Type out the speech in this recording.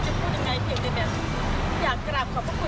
สวัสดีครับทุกคน